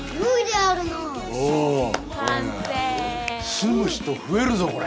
住む人増えるぞこれ。